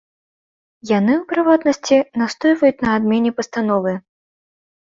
Яны, у прыватнасці, настойваюць на адмене пастановы.